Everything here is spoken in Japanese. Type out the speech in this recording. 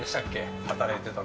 働いてたの？